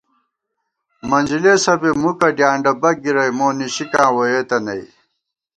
منجِلېسہ بی مُکہ ڈیانڈہ بَک گِرَئی مو نِشِکاں ووئېتہ نئ